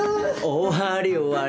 終わり終わり